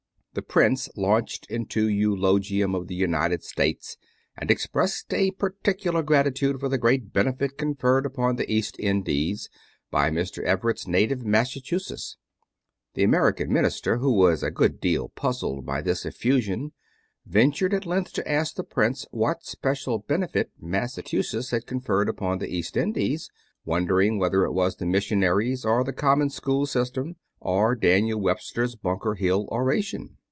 The prince launched into eulogium of the United States, and expressed a particular gratitude for the great benefit conferred upon the East Indies by Mr. Everett's native Massachusetts. The American minister, who was a good deal puzzled by this effusion, ventured at length to ask the prince what special benefit Massachusetts had conferred upon the East Indies, wondering whether it was the missionaries, or the common school system, or Daniel Webster's Bunker Hill oration.